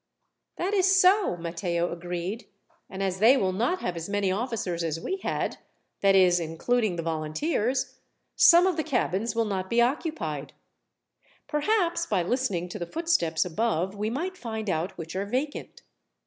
"That is so," Matteo agreed, "and as they will not have as many officers as we had that is, including the volunteers some of the cabins will not be occupied. Perhaps, by listening to the footsteps above, we might find out which are vacant."